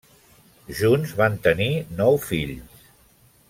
Junts van tenir nou fills.